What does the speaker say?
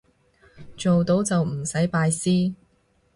做到就唔使拜師